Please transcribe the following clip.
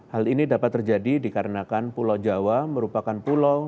hal ini dapat terjadi dikarenakan pulau jawa merupakan pulau